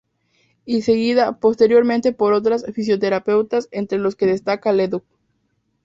Y seguida posteriormente por otros fisioterapeutas, entre los que destaca "Leduc".